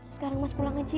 sekarang mas pulang aja ya